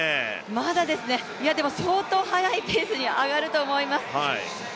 まだですね、相当速いペースに上がると思います。